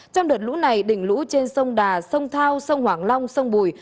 trong đợt lũ này đỉnh lũ trên sông đà sông thao sông hoàng long sông bùi